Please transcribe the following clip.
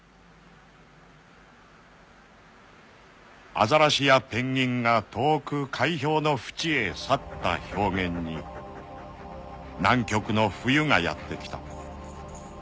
［アザラシやペンギンが遠く海氷の縁へ去った氷原に南極の冬がやってきた］